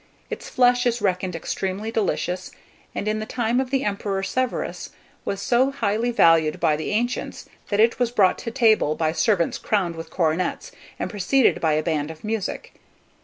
Its flesh is reckoned extremely delicious, and, in the time of the emperor Severus, was so highly valued by the ancients, that it was brought to table by servants crowned with coronets, and preceded by a band of music.